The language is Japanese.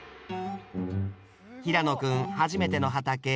平野君初めての畑。